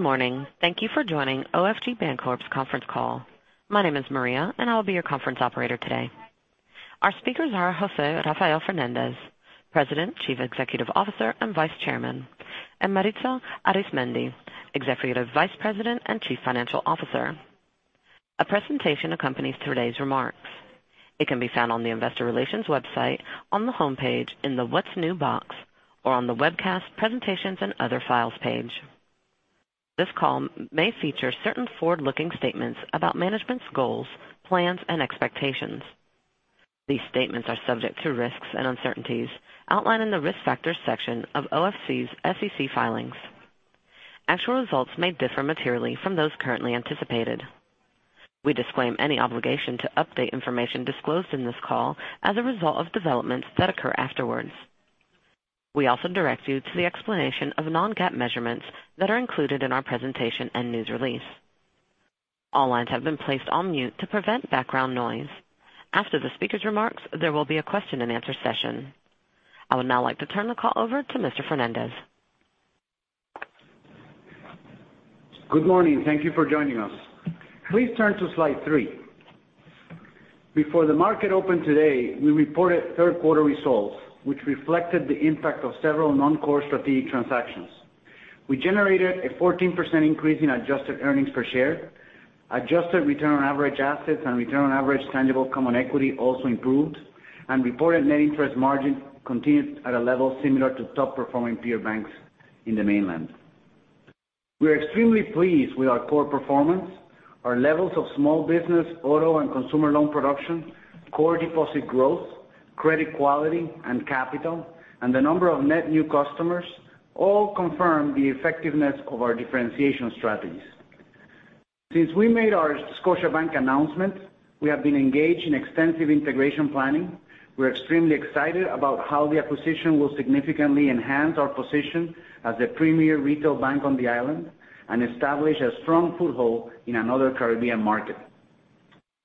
Good morning. Thank you for joining OFG Bancorp's conference call. My name is Maria, and I will be your Conference Operator today. Our speakers are José Rafael Fernández, President, Chief Executive Officer, and Vice Chairman, and Maritza Arizmendi, Executive Vice President and Chief Financial Officer. A presentation accompanies today's remarks. It can be found on the investor relations website on the homepage in the What's New box, or on the Webcast Presentations and Other Files page. This call may feature certain forward-looking statements about management's goals, plans, and expectations. These statements are subject to risks and uncertainties outlined in the Risk Factors section of OFG's SEC filings. Actual results may differ materially from those currently anticipated. We disclaim any obligation to update information disclosed in this call as a result of developments that occur afterwards. We also direct you to the explanation of non-GAAP measurements that are included in our presentation and news release. All lines have been placed on mute to prevent background noise. After the speaker's remarks, there will be a question and answer session. I would now like to turn the call over to Mr. Fernández. Good morning. Thank you for joining us. Please turn to slide three. Before the market opened today, we reported third quarter results which reflected the impact of several non-core strategic transactions. We generated a 14% increase in adjusted earnings per share. Adjusted return on average assets and return on average tangible common equity also improved, and reported net interest margin continued at a level similar to top-performing peer banks in the mainland. We are extremely pleased with our core performance. Our levels of small business, auto, and consumer loan production, core deposit growth, credit quality, and capital, and the number of net new customers all confirm the effectiveness of our differentiation strategies. Since we made our Scotiabank announcement, we have been engaged in extensive integration planning. We're extremely excited about how the acquisition will significantly enhance our position as the premier retail bank on the island and establish a strong foothold in another Caribbean market.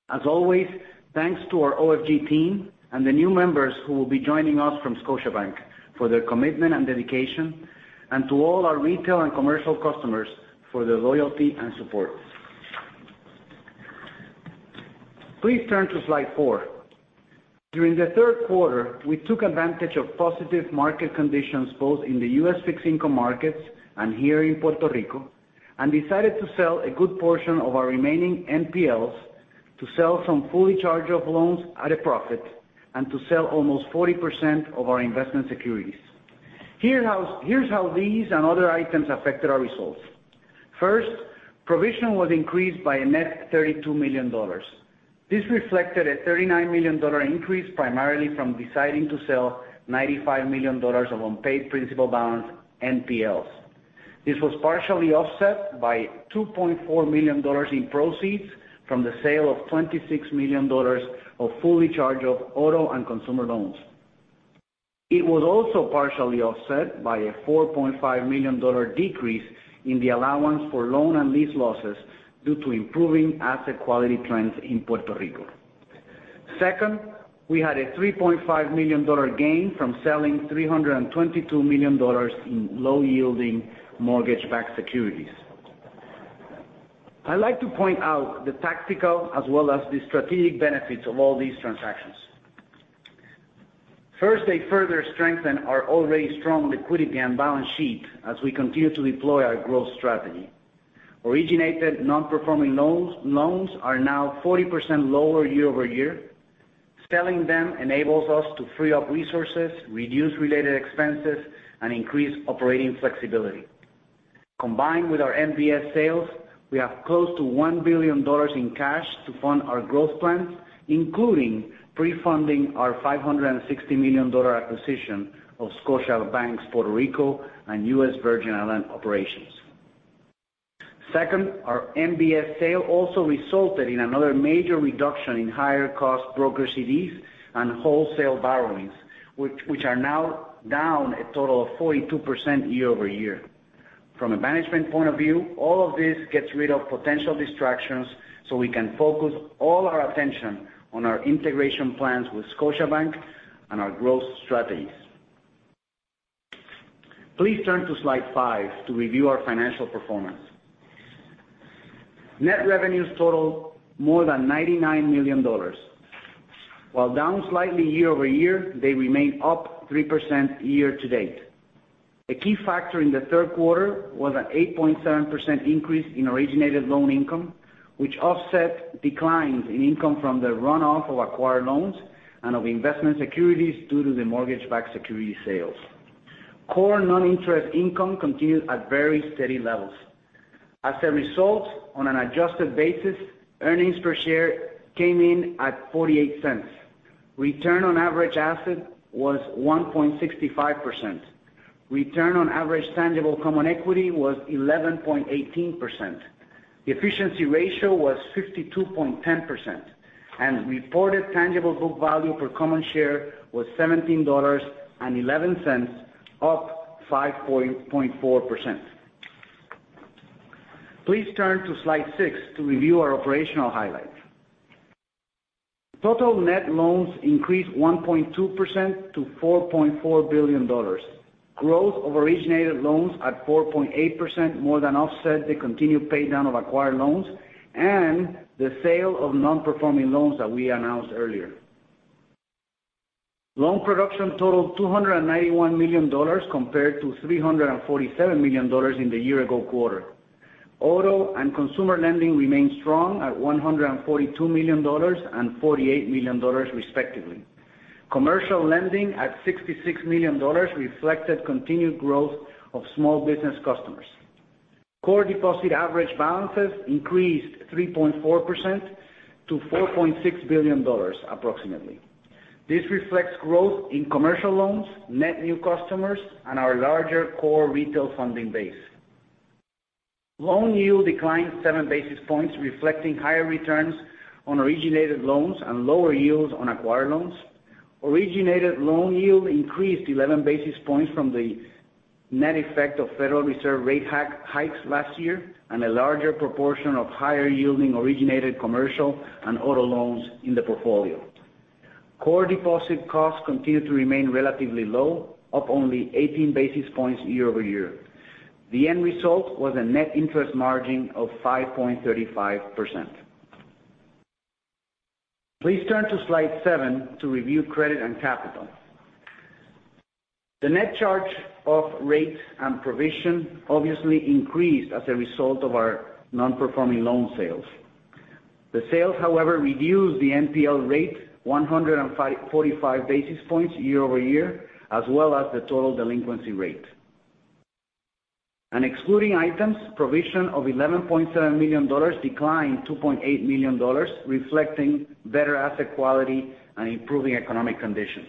As always, thanks to our OFG team and the new members who will be joining us from Scotiabank for their commitment and dedication, and to all our retail and commercial customers for their loyalty and support. Please turn to slide four. During the third quarter, we took advantage of positive market conditions both in the U.S. fixed-income markets and here in Puerto Rico and decided to sell a good portion of our remaining NPLs to sell some fully charged-off loans at a profit and to sell almost 40% of our investment securities. Here's how these and other items affected our results. First, provision was increased by a net $32 million. This reflected a $39 million increase primarily from deciding to sell $95 million of unpaid principal balance NPLs. This was partially offset by $2.4 million in proceeds from the sale of $26 million of fully charged-off auto and consumer loans. It was also partially offset by a $4.5 million decrease in the allowance for loan and lease losses due to improving asset quality trends in Puerto Rico. Second, we had a $3.5 million gain from selling $322 million in low-yielding mortgage-backed securities. I'd like to point out the tactical as well as the strategic benefits of all these transactions. First, they further strengthen our already strong liquidity and balance sheet as we continue to deploy our growth strategy. Originated non-performing loans are now 40% lower year-over-year. Selling them enables us to free up resources, reduce related expenses, and increase operating flexibility. Combined with our MBS sales, we have close to $1 billion in cash to fund our growth plans, including pre-funding our $560 million acquisition of Scotiabank's Puerto Rico and U.S. Virgin Islands operations. Second, our MBS sale also resulted in another major reduction in higher-cost brokered CDs and wholesale borrowings, which are now down a total of 42% year-over-year. From a management point of view, all of this gets rid of potential distractions so we can focus all our attention on our integration plans with Scotiabank and our growth strategies. Please turn to slide five to review our financial performance. Net revenues totaled more than $99 million. While down slightly year-over-year, they remain up 3% year to date. A key factor in the third quarter was an 8.7% increase in originated loan income, which offset declines in income from the runoff of acquired loans and of investment securities due to the mortgage-backed security sales. Core non-interest income continued at very steady levels. As a result, on an adjusted basis, earnings per share came in at $0.48. Return on average asset was 1.65%. Return on average tangible common equity was 11.18%. The efficiency ratio was 52.10%, and reported tangible book value per common share was $17.11, up 5.4%. Please turn to slide six to review our operational highlights. Total net loans increased 1.2% to $4.4 billion. Growth of originated loans at 4.8%, more than offset the continued pay down of acquired loans and the sale of non-performing loans that we announced earlier. Loan production totaled $291 million compared to $347 million in the year-ago quarter. Auto and consumer lending remained strong at $142 million and $48 million respectively. Commercial lending at $66 million reflected continued growth of small business customers. Core deposit average balances increased 3.4% to $4.6 billion approximately. This reflects growth in commercial loans, net new customers, and our larger core retail funding base. Loan yield declined seven basis points, reflecting higher returns on originated loans and lower yields on acquired loans. Originated loan yield increased 11 basis points from the net effect of Federal Reserve rate hikes last year, and a larger proportion of higher yielding originated commercial and auto loans in the portfolio. Core deposit costs continue to remain relatively low, up only 18 basis points year-over-year. The end result was a net interest margin of 5.35%. Please turn to slide seven to review credit and capital. The net charge of rates and provision obviously increased as a result of our non-performing loan sales. The sales, however, reduced the NPL rate 145 basis points year-over-year, as well as the total delinquency rate. Excluding items, provision of $11.7 million, decline $2.8 million, reflecting better asset quality and improving economic conditions.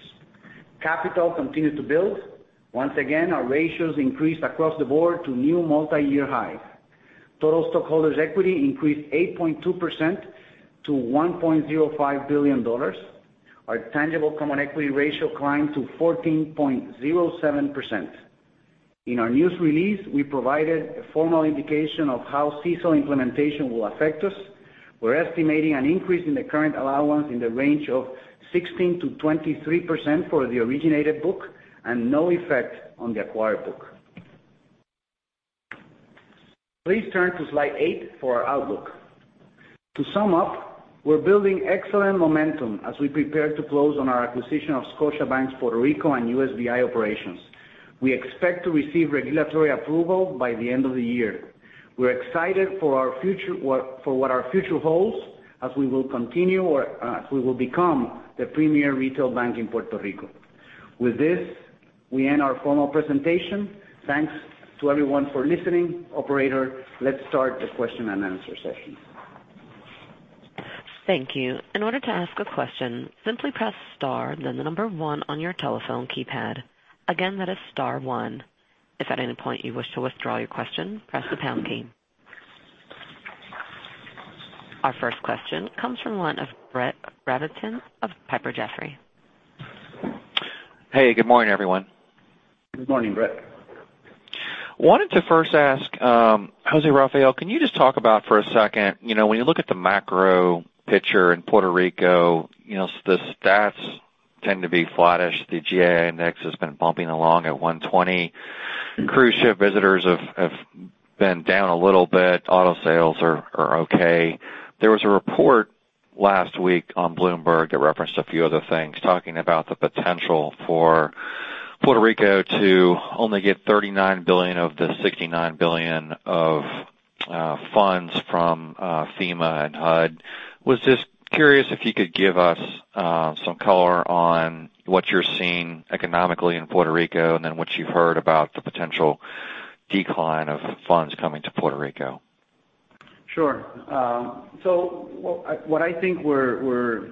Capital continued to build. Once again, our ratios increased across the board to new multi-year highs. Total stockholders' equity increased 8.2% to $1.05 billion. Our tangible common equity ratio climbed to 14.07%. In our news release, we provided a formal indication of how CECL implementation will affect us. We're estimating an increase in the current allowance in the range of 16%-23% for the originated book, and no effect on the acquired book. Please turn to slide eight for our outlook. To sum up, we're building excellent momentum as we prepare to close on our acquisition of Scotiabank's Puerto Rico and U.S.V.I. operations. We expect to receive regulatory approval by the end of the year. We're excited for what our future holds as we will become the premier retail bank in Puerto Rico. With this, we end our formal presentation. Thanks to everyone for listening. Operator, let's start the question and answer session. Thank you. In order to ask a question, simply press star then the number 1 on your telephone keypad. Again, that is star one. If at any point you wish to withdraw your question, press the pound key. Our first question comes from the line of Brett Rabatin of Piper Jaffray. Hey, good morning, everyone. Good morning, Brett. Wanted to first ask, José Rafael, can you just talk about for a second, when you look at the macro picture in Puerto Rico, the stats tend to be flattish. The GA index has been bumping along at 120. Cruise ship visitors have been down a little bit. Auto sales are okay. There was a report last week on Bloomberg that referenced a few of the things, talking about the potential for Puerto Rico to only get $39 billion of the $69 billion of funds from FEMA and HUD. I was just curious if you could give us some color on what you're seeing economically in Puerto Rico and then what you've heard about the potential decline of funds coming to Puerto Rico. Sure. What I think we're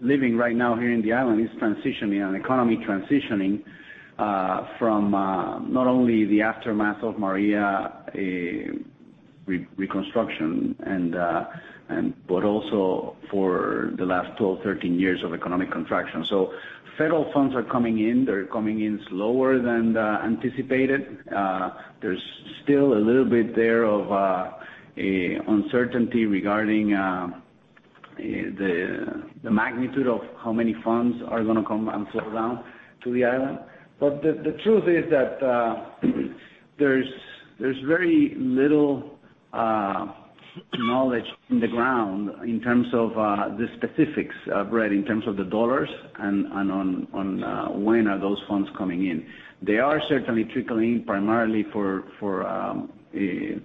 living right now here in the island is transitioning, an economy transitioning, from not only the aftermath of Maria reconstruction, but also for the last 12, 13 years of economic contraction. Federal funds are coming in. They're coming in slower than anticipated. There's still a little bit there of uncertainty regarding the magnitude of how many funds are going to come and slow down to the island. The truth is that there's very little knowledge on the ground in terms of the specifics, Brett, in terms of the dollars and on when are those funds coming in. They are certainly trickling in primarily for the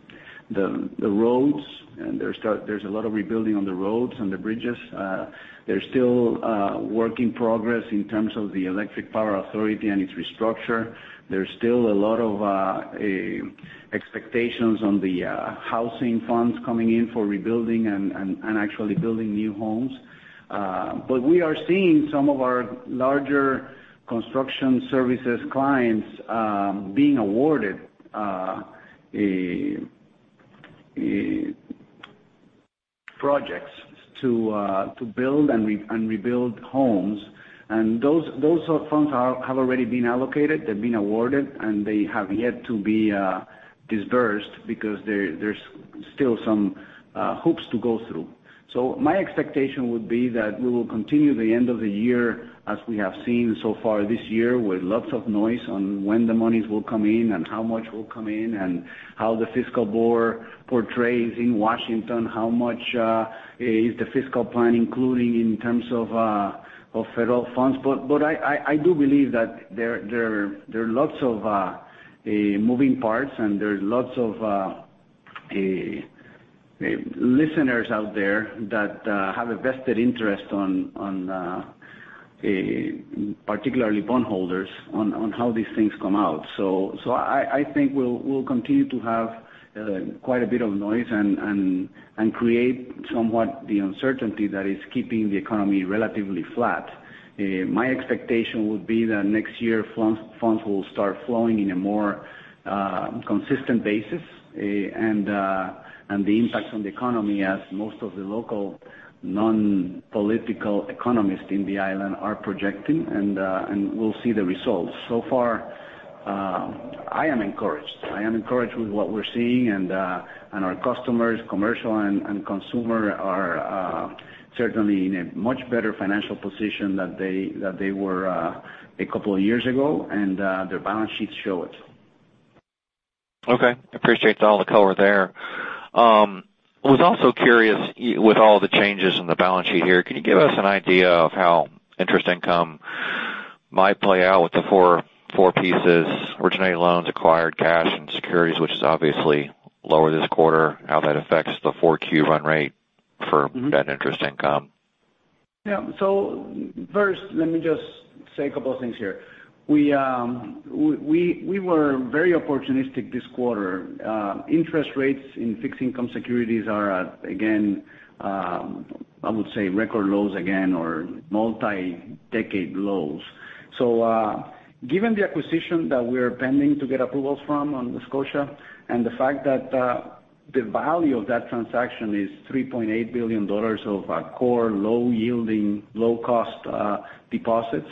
roads. There's a lot of rebuilding on the roads and the bridges. There's still work in progress in terms of the electric power authority and its restructure. There's still a lot of expectations on the housing funds coming in for rebuilding and actually building new homes. We are seeing some of our larger construction services clients being awarded projects to build and rebuild homes. Those funds have already been allocated. They've been awarded, and they have yet to be disbursed because there's still some hoops to go through. My expectation would be that we will continue the end of the year as we have seen so far this year, with lots of noise on when the monies will come in and how much will come in, and how the fiscal board portrays in Washington, how much is the fiscal plan including in terms of federal funds. I do believe that there are lots of moving parts, and there's lots of listeners out there that have a vested interest, particularly bondholders, on how these things come out. I think we'll continue to have quite a bit of noise and create somewhat the uncertainty that is keeping the economy relatively flat. My expectation would be that next year, funds will start flowing in a more consistent basis. The impact on the economy as most of the local non-political economists in the island are projecting, and we'll see the results. I am encouraged. I am encouraged with what we're seeing. Our customers, commercial and consumer, are certainly in a much better financial position than they were a couple of years ago, and their balance sheets show it. Appreciate all the color there. I was also curious, with all the changes in the balance sheet here, can you give us an idea of how interest income might play out with the four pieces, originated loans, acquired cash and securities, which is obviously lower this quarter, how that affects the 4Q run rate for that interest income? Yeah. First, let me just say a couple of things here. We were very opportunistic this quarter. Interest rates in fixed income securities are at, again, I would say record lows again or multi-decade lows. Given the acquisition that we're pending to get approvals from on Scotia, and the fact that the value of that transaction is $3.8 billion of core low-yielding, low-cost deposits,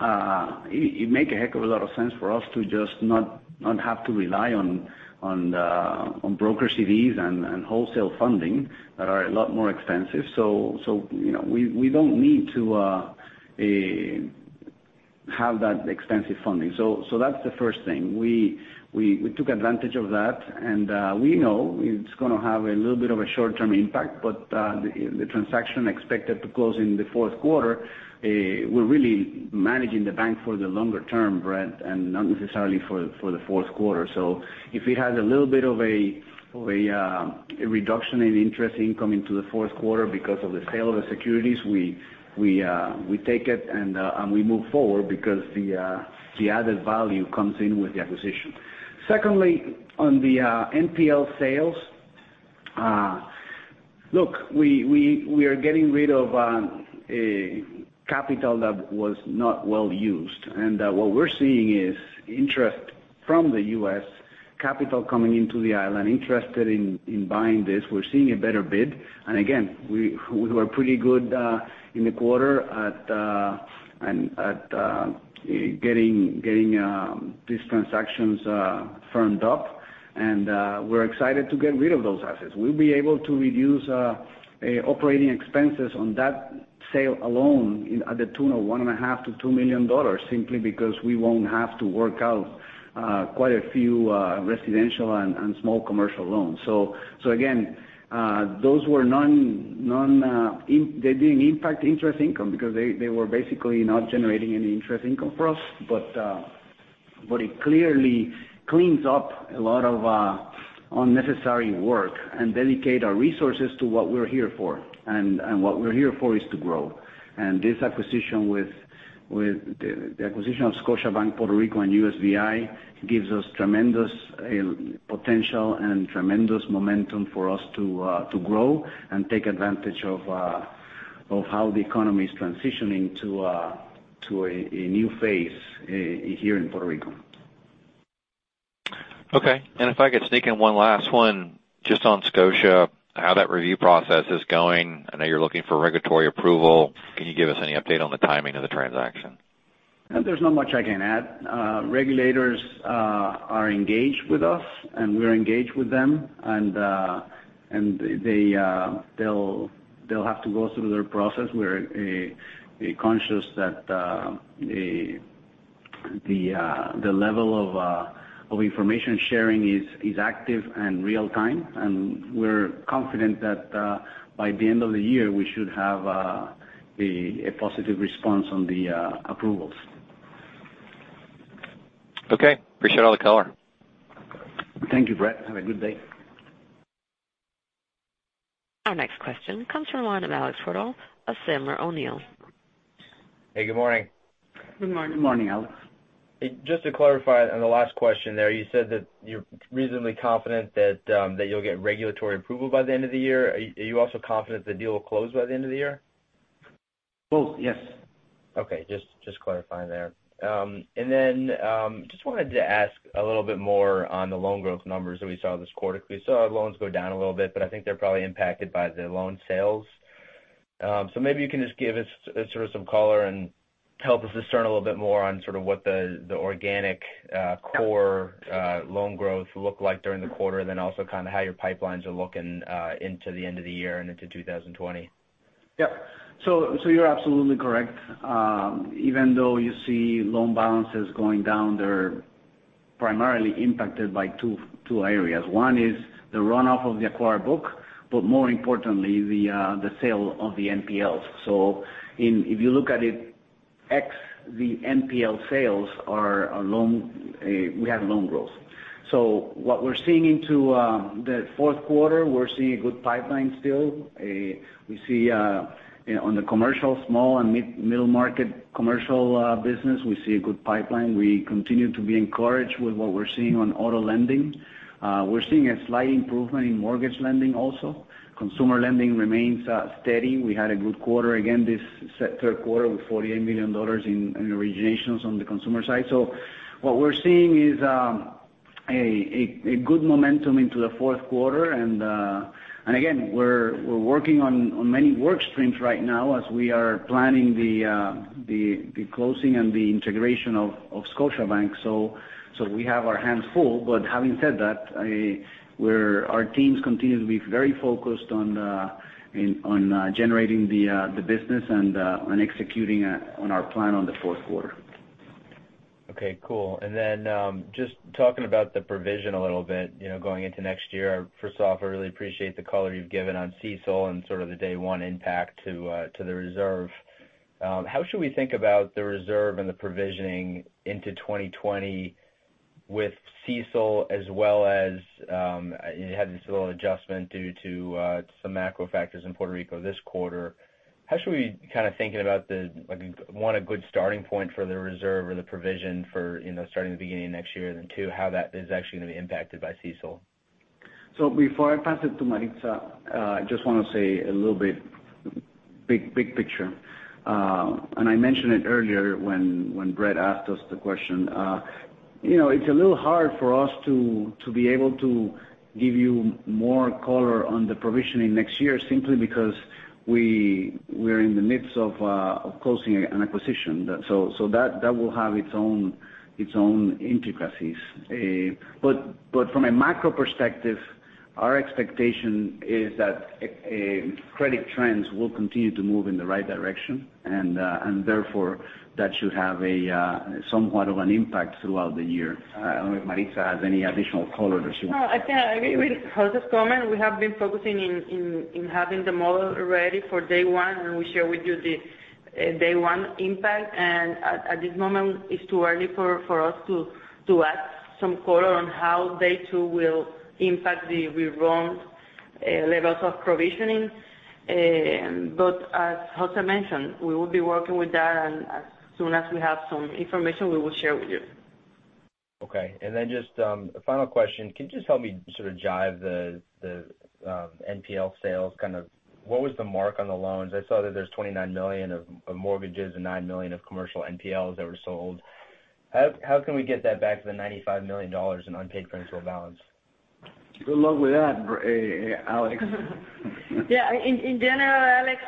it make a heck of a lot of sense for us to just not have to rely on brokered CDs and wholesale funding that are a lot more expensive. We don't need to have that extensive funding. That's the first thing. We took advantage of that, and we know it's going to have a little bit of a short-term impact, but the transaction expected to close in the fourth quarter. We're really managing the bank for the longer term, Brett, and not necessarily for the fourth quarter. If it has a little bit of a reduction in interest income into the fourth quarter because of the sale of the securities, we take it, and we move forward because the added value comes in with the acquisition. Secondly, on the NPL sales, look, we are getting rid of capital that was not well used. What we're seeing is interest from the U.S., capital coming into the island interested in buying this. We're seeing a better bid. Again, we were pretty good in the quarter at getting these transactions firmed up, and we're excited to get rid of those assets. We'll be able to reduce operating expenses on that sale alone at the tune of $1.5 to $2 million, simply because we won't have to work out quite a few residential and small commercial loans. Again, they didn't impact interest income because they were basically not generating any interest income for us. It clearly cleans up a lot of unnecessary work and dedicate our resources to what we're here for. What we're here for is to grow. The acquisition of Scotiabank, Puerto Rico and USVI gives us tremendous potential and tremendous momentum for us to grow and take advantage of how the economy is transitioning to a new phase here in Puerto Rico. Okay. If I could sneak in one last one just on Scotia, how that review process is going. I know you're looking for regulatory approval. Can you give us any update on the timing of the transaction? There's not much I can add. Regulators are engaged with us, and we're engaged with them. They'll have to go through their process. We're conscious that the level of information sharing is active and real time. We're confident that by the end of the year, we should have a positive response on the approvals. Okay. Appreciate all the color. Thank you, Brett. Have a good day. Our next question comes from the line of Alex Twerdahl of Sandler O'Neill. Hey, good morning. Good morning. Good morning, Alex. Just to clarify on the last question there, you said that you're reasonably confident that you'll get regulatory approval by the end of the year. Are you also confident the deal will close by the end of the year? Both, yes. Okay. Just clarifying there. Just wanted to ask a little bit more on the loan growth numbers that we saw this quarter. We saw loans go down a little bit, but I think they're probably impacted by the loan sales. Maybe you can just give us sort of some color and help us discern a little bit more on sort of what the organic core loan growth looked like during the quarter, and then also kind of how your pipelines are looking into the end of the year and into 2020. Yep. You're absolutely correct. Even though you see loan balances going down, they're primarily impacted by two areas. One is the runoff of the acquired book, but more importantly, the sale of the NPLs. If you look at it, X the NPL sales, we have loan growth. What we're seeing into the fourth quarter, we're seeing a good pipeline still. We see on the commercial small and middle market commercial business, we see a good pipeline. We continue to be encouraged with what we're seeing on auto lending. We're seeing a slight improvement in mortgage lending also. Consumer lending remains steady. We had a good quarter again, this third quarter with $48 million in originations on the consumer side. What we're seeing is a good momentum into the fourth quarter. Again, we're working on many work streams right now as we are planning the closing and the integration of Scotiabank. We have our hands full, but having said that, our teams continue to be very focused on generating the business and on executing on our plan on the fourth quarter. Okay, cool. Just talking about the provision a little bit going into next year. First off, I really appreciate the color you've given on CECL and sort of the day one impact to the reserve. How should we think about the reserve and the provisioning into 2020 with CECL, as well as you had this little adjustment due to some macro factors in Puerto Rico this quarter. How should we kind of think about the, one, a good starting point for the reserve or the provision for starting the beginning of next year and then two, how that is actually going to be impacted by CECL? Before I pass it to Maritza, I just want to say a little bit big picture. I mentioned it earlier when Brett asked us the question. It's a little hard for us to be able to give you more color on the provisioning next year, simply because we are in the midst of closing an acquisition. That will have its own intricacies. From a macro perspective, our expectation is that credit trends will continue to move in the right direction, and therefore that should have somewhat of an impact throughout the year. I don't know if Maritza has any additional color there. No, I agree with José's comment. We have been focusing on having the model ready for day one, and we share with you the day one impact. At this moment, it's too early for us to add some color on how day two will impact the levels of provisionings. As José mentioned, we will be working with that, and as soon as we have some information, we will share with you. Okay. Just a final question. Can you just help me sort of jibe the NPL sales? What was the mark on the loans? I saw that there's $29 million of mortgages and $9 million of commercial NPLs that were sold. How can we get that back to the $95 million in unpaid principal balance? Good luck with that, Alex. Yeah. In general, Alex,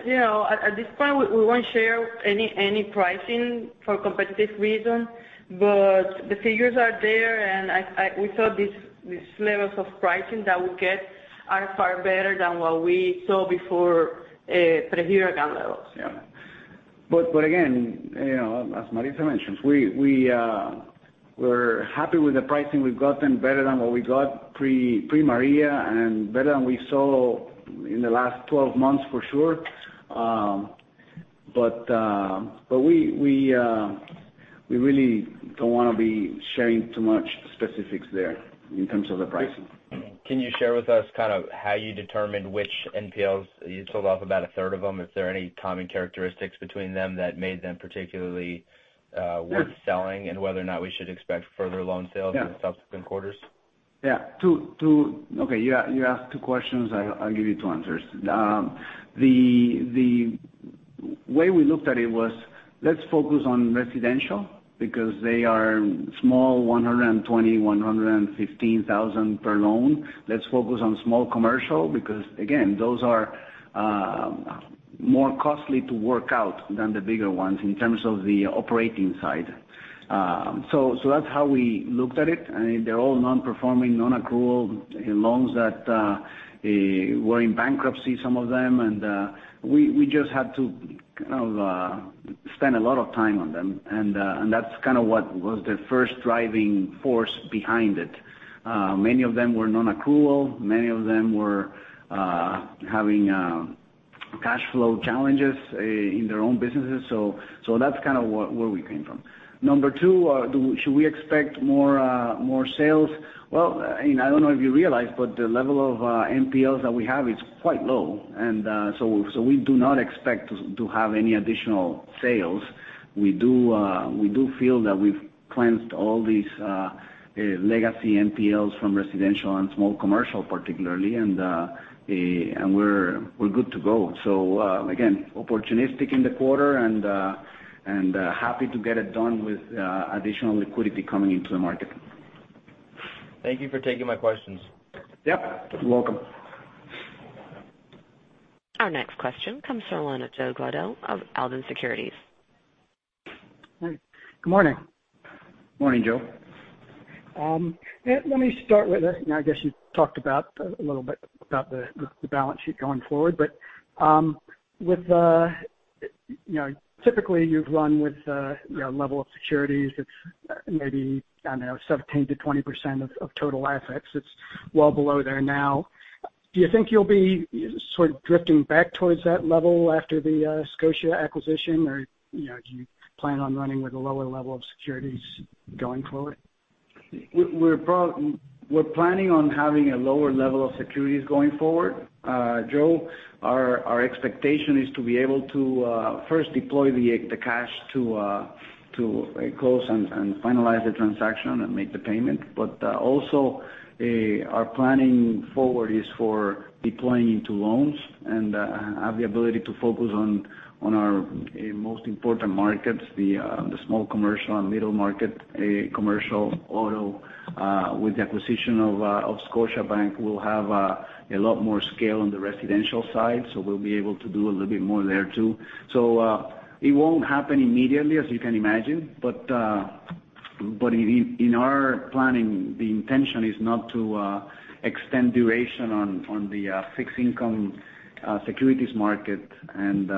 at this point, we won't share any pricing for competitive reasons. The figures are there, and we thought these levels of pricing that we get are far better than what we saw before pre-Hurricane levels. Yeah. Again, as Maritza mentions, we're happy with the pricing we've gotten better than what we got pre-Maria and better than we saw in the last 12 months for sure. We really don't want to be sharing too much specifics there in terms of the pricing. Can you share with us kind of how you determined which NPLs you sold off about a third of them? Is there any common characteristics between them that made them particularly worth selling and whether or not we should expect further loan sales in subsequent quarters? Yeah. Okay, you asked two questions. I'll give you two answers. The way we looked at it was, let's focus on residential because they are small, $120,000, $115,000 per loan. Let's focus on small commercial because, again, those are more costly to work out than the bigger ones in terms of the operating side. That's how we looked at it. They're all non-performing, non-accrual loans that were in bankruptcy, some of them. We just had to kind of spend a lot of time on them. That's kind of what was the first driving force behind it. Many of them were non-accrual. Many of them were having cash flow challenges in their own businesses. That's kind of where we came from. Number two, should we expect more sales? I don't know if you realize, but the level of NPLs that we have is quite low. We do not expect to have any additional sales. We do feel that we've cleansed all these legacy NPLs from residential and small commercial particularly, and we're good to go. Again, opportunistic in the quarter and happy to get it done with additional liquidity coming into the market. Thank you for taking my questions. Yep. Welcome. Our next question comes from the line of Joe Gladue of Alden Securities. Good morning. Morning, Joe. Let me start with, I guess you talked a little bit about the balance sheet going forward, but typically you've run with a level of securities that's maybe, I don't know, 17%-20% of total assets. It's well below there now. Do you think you'll be sort of drifting back towards that level after the Scotia acquisition, or do you plan on running with a lower level of securities going forward? We're planning on having a lower level of securities going forward, Joe. Our expectation is to be able to first deploy the cash to close and finalize the transaction and make the payment. Also, our planning forward is for deploying into loans and have the ability to focus on our most important markets, the small commercial and middle market commercial auto. With the acquisition of Scotiabank, we'll have a lot more scale on the residential side, we'll be able to do a little bit more there, too. It won't happen immediately, as you can imagine. In our planning, the intention is not to extend duration on the fixed income securities market and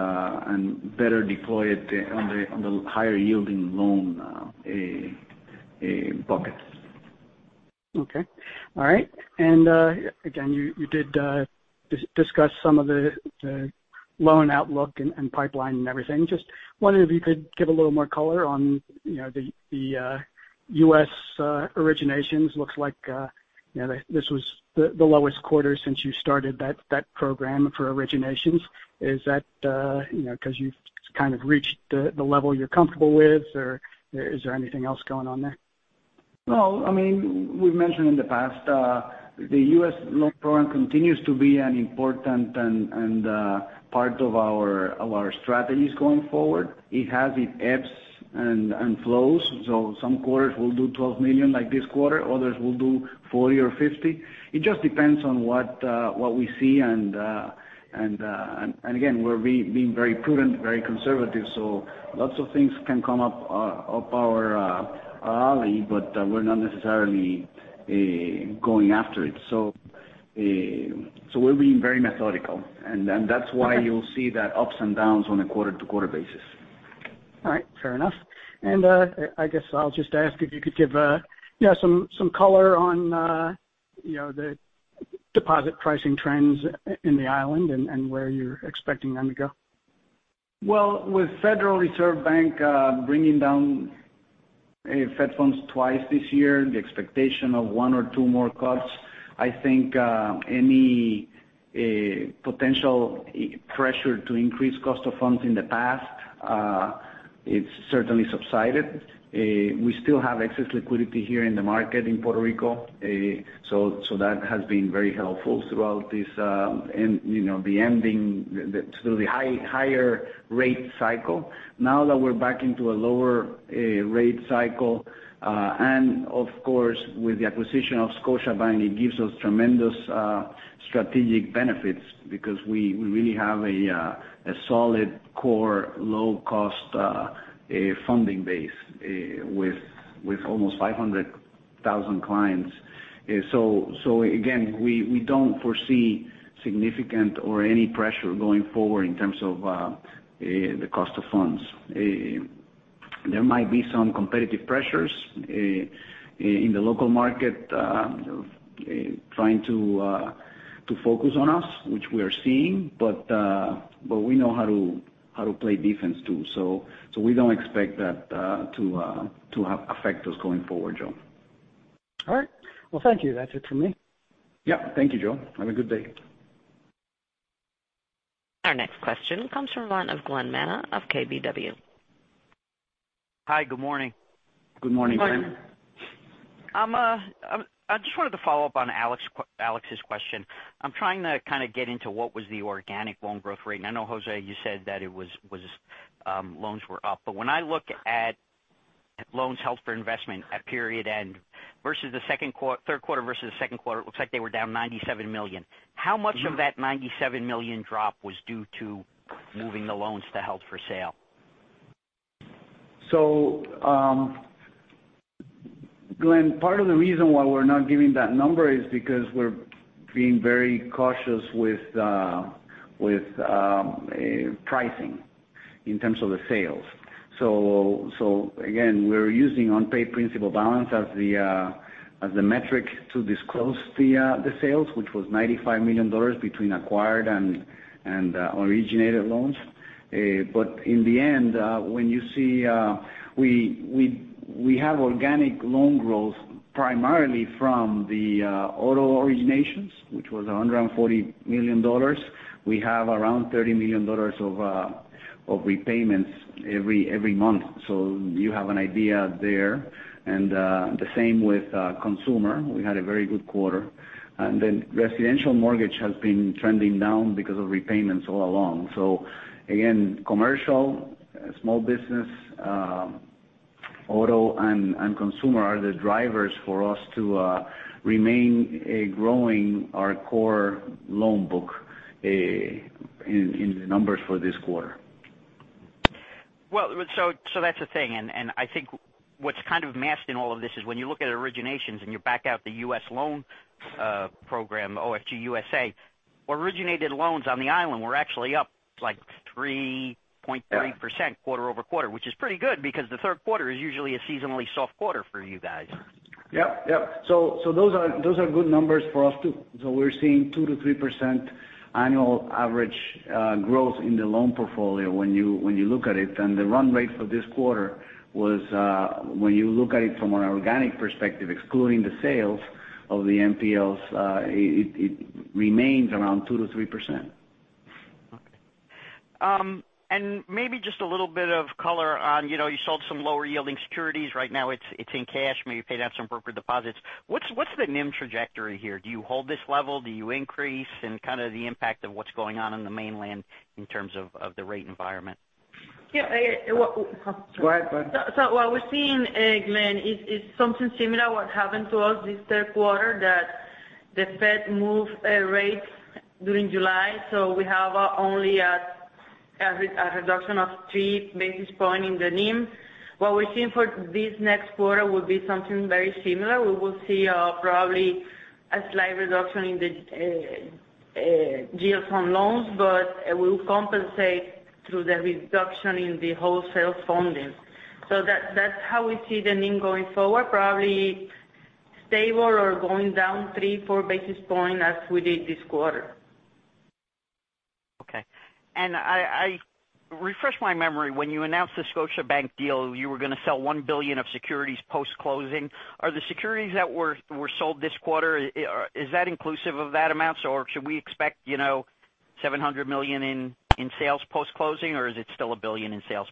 better deploy it on the higher yielding loan buckets. Okay. All right. Again, you did discuss some of the loan outlook and pipeline and everything. Just wondering if you could give a little more color on the U.S. originations. Looks like this was the lowest quarter since you started that program for originations. Is that because you've kind of reached the level you're comfortable with, or is there anything else going on there? No. We've mentioned in the past, the U.S. loan program continues to be an important part of our strategies going forward. It has its ebbs and flows. Some quarters we'll do $12 million like this quarter, others will do $40 million or $50 million. It just depends on what we see. Again, we're being very prudent, very conservative. Lots of things can come up our alley, but we're not necessarily going after it. We're being very methodical, and that's why you'll see that ups and downs on a quarter-to-quarter basis. All right. Fair enough. I guess I'll just ask if you could give some color on the deposit pricing trends in the island and where you're expecting them to go. Well, with Federal Reserve Bank bringing down Fed funds twice this year, the expectation of one or two more cuts, I think any potential pressure to increase cost of funds in the past, it's certainly subsided. We still have excess liquidity here in the market in Puerto Rico. That has been very helpful throughout the ending to the higher rate cycle. Now that we're back into a lower rate cycle, and of course, with the acquisition of Scotiabank, it gives us tremendous strategic benefits because we really have a solid core, low cost funding base with almost 500,000 clients. Again, we don't foresee significant or any pressure going forward in terms of the cost of funds. There might be some competitive pressures in the local market trying to focus on us, which we are seeing, but we know how to play defense, too. We don't expect that to affect us going forward, Joe. All right. Well, thank you. That's it for me. Yeah. Thank you, Joe. Have a good day. Our next question comes from the line of Glen Manna of KBW. Hi. Good morning. Good morning, Glen. I just wanted to follow up on Alex's question. I'm trying to kind of get into what was the organic loan growth rate. I know, José, you said that loans were up. When I look at loans held for investment at period end, third quarter versus the second quarter, it looks like they were down $97 million. How much of that $97 million drop was due to moving the loans to held for sale? Glen, part of the reason why we're not giving that number is because we're being very cautious with pricing in terms of the sales. Again, we're using unpaid principal balance as the metric to disclose the sales, which was $95 million between acquired and originated loans. In the end, when you see we have organic loan growth primarily from the auto originations, which was $140 million. We have around $30 million of repayments every month. You have an idea there. The same with consumer. We had a very good quarter. Residential mortgage has been trending down because of repayments all along. Again, commercial, small business, auto and consumer are the drivers for us to remain growing our core loan book in the numbers for this quarter. Well, that's the thing. I think what's kind of masked in all of this is when you look at originations and you back out the U.S. loan program, OFG USA, originated loans on the island were actually up like 3.3% quarter-over-quarter, which is pretty good because the third quarter is usually a seasonally soft quarter for you guys. Yep. Those are good numbers for us, too. We're seeing 2% to 3% annual average growth in the loan portfolio when you look at it. The run rate for this quarter was, when you look at it from an organic perspective, excluding the sales of the NPLs, it remains around 2% to 3%. Okay. Maybe just a little bit of color on, you sold some lower yielding securities. Right now it's in cash. Maybe you paid off some brokered CDs. What's the NIM trajectory here? Do you hold this level? Do you increase? Kind of the impact of what's going on in the mainland in terms of the rate environment? Yeah. Go ahead, Maritza. What we're seeing, Glen, is something similar what happened to us this third quarter, that the Fed moved rates during July. We have only a reduction of three basis points in the NIM. What we're seeing for this next quarter will be something very similar. We will see probably a slight reduction in the yields on loans, but it will compensate through the reduction in the wholesale funding. That's how we see the NIM going forward, probably stable or going down three, four basis points as we did this quarter. Okay. Refresh my memory. When you announced the Scotiabank deal, you were going to sell $1 billion of securities post-closing. Are the securities that were sold this quarter, is that inclusive of that amount? Should we expect $700 million in sales post-closing? Is it still $1 billion in sales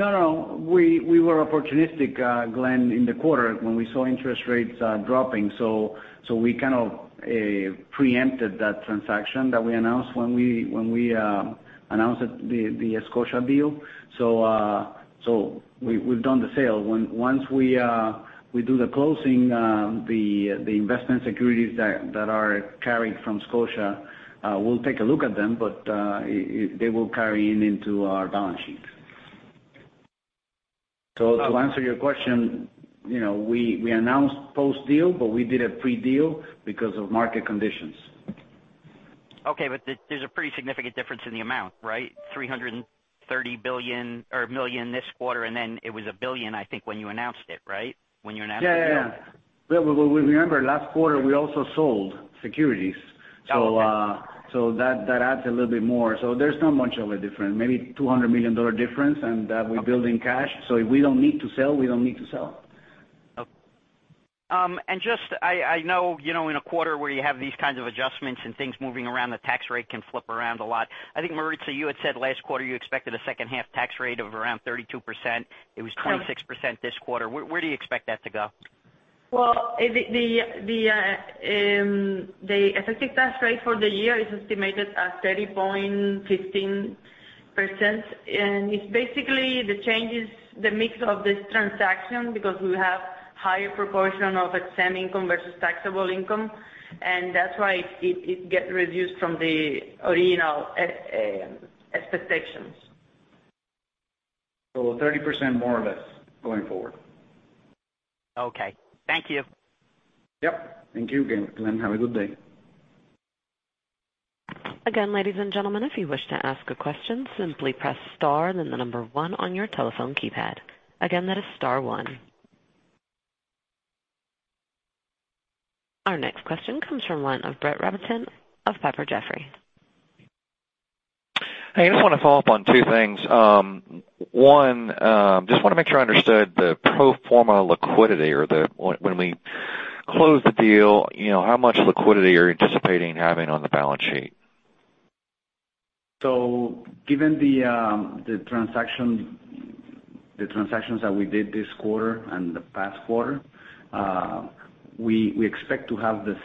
post-closing? No. We were opportunistic, Glen, in the quarter when we saw interest rates dropping. We kind of preempted that transaction that we announced when we announced the Scotia deal. We've done the sale. Once we do the closing, the investment securities that are carried from Scotia, we'll take a look at them, but they will carry in into our balance sheets. To answer your question, we announced post-deal, but we did it pre-deal because of market conditions. Okay. There's a pretty significant difference in the amount, right? $330 billion or million this quarter, and then it was $1 billion, I think, when you announced it, right? When you announced the deal. Yeah. Remember last quarter, we also sold securities. Oh, okay. That adds a little bit more. There's not much of a difference. Maybe $200 million difference, and that we build in cash. If we don't need to sell, we don't need to sell. Okay. Just I know, in a quarter where you have these kinds of adjustments and things moving around, the tax rate can flip around a lot. I think Maritza, you had said last quarter you expected a second-half tax rate of around 32%. It was 26% this quarter. Where do you expect that to go? Well, the effective tax rate for the year is estimated at 30.15%. It's basically the changes, the mix of this transaction because we have higher proportion of exempt income versus taxable income. That's why it get reduced from the original expectations. 30% more or less going forward. Okay. Thank you. Yep. Thank you, Glen. Have a good day. Again, ladies and gentlemen, if you wish to ask a question, simply press star then the number one on your telephone keypad. Again, that is star one. Our next question comes from the line of Brett Rabatin of Piper Jaffray. I just want to follow up on two things. One, just want to make sure I understood the pro forma liquidity or when we close the deal, how much liquidity you're anticipating having on the balance sheet? Given the transactions that we did this quarter and the past quarter, we expect to have the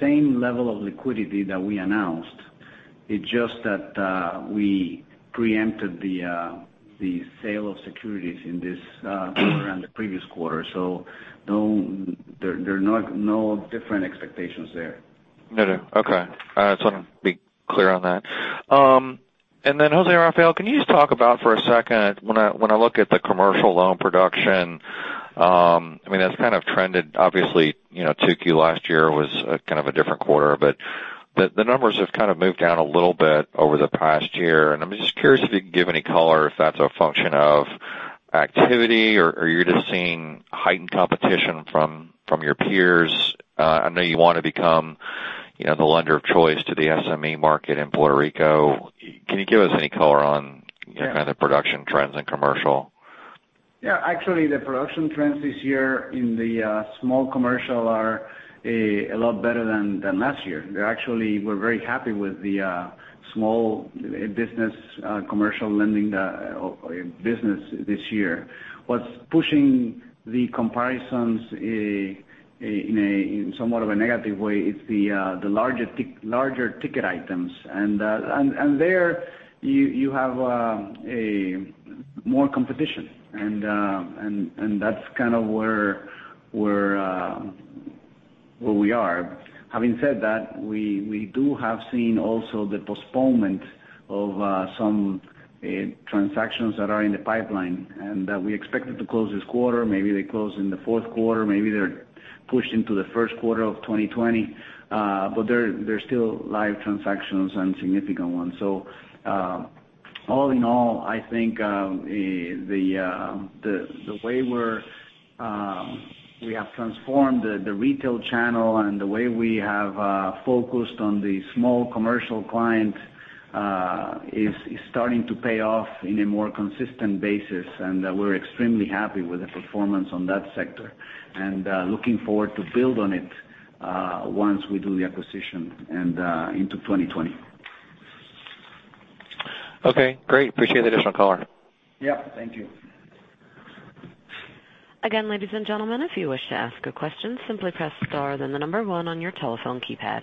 same level of liquidity that we announced. It's just that we preempted the sale of securities in this quarter and the previous quarter. There are no different expectations there. No. Okay. I just want to be clear on that. José Rafael, can you just talk about for a second, when I look at the commercial loan production, I mean, that's kind of trended. Obviously, 2Q last year was kind of a different quarter. The numbers have kind of moved down a little bit over the past year, and I'm just curious if you can give any color if that's a function of activity or you're just seeing heightened competition from your peers. I know you want to become the lender of choice to the SME market in Puerto Rico. Can you give us any color on kind of production trends in commercial? Yeah. Actually, the production trends this year in the small commercial are a lot better than last year. Actually, we're very happy with the small business commercial lending business this year. What's pushing the comparisons in somewhat of a negative way is the larger ticket items. There you have more competition, and that's kind of where we are. Having said that, we do have seen also the postponement of some transactions that are in the pipeline and that we expected to close this quarter. Maybe they close in the fourth quarter. Maybe they're pushed into the first quarter of 2020. They're still live transactions and significant ones. All in all, I think the way we have transformed the retail channel and the way we have focused on the small commercial client is starting to pay off in a more consistent basis, and we're extremely happy with the performance on that sector. Looking forward to build on it once we do the acquisition and into 2020. Okay, great. Appreciate the additional color. Yep. Thank you. Again, ladies and gentlemen, if you wish to ask a question, simply press star then the number one on your telephone keypad.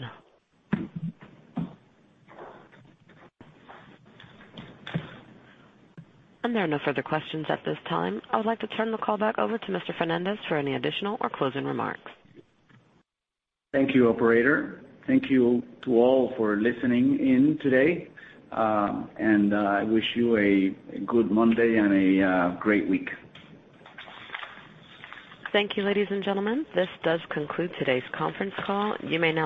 There are no further questions at this time. I would like to turn the call back over to Mr. Fernández for any additional or closing remarks. Thank you, operator. Thank you to all for listening in today. I wish you a good Monday and a great week. Thank you, ladies and gentlemen. This does conclude today's conference call. You may now disconnect.